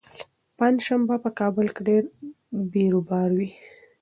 پنجشنبه په کابل کې ډېر بېروبار وي.